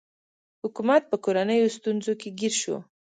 حکومت په کورنیو ستونزو کې ګیر شو.